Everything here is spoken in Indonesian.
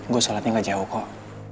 gue sholatnya gak jauh kok